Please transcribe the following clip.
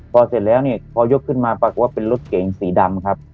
พอเสร็จแล้วเนี่ยพอยกขึ้นมาปรากฏว่าเป็นรถเก๋งสีดำครับ